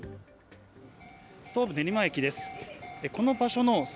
東武練馬駅です。